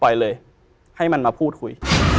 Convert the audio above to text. ปล่อยเลยให้มันมาพูดคุย